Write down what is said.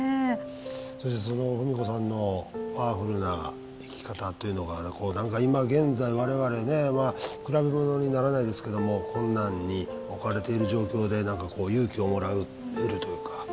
それでその文子さんのパワフルな生き方っていうのが何か今現在我々ね比べ物にならないですけども困難に置かれている状況で何か勇気をもらえるというか。